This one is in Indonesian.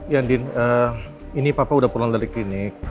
yandin ini papa udah pulang dari klinik